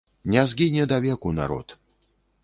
Не згіне давеку народ.